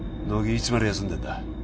いつまで休んでんだ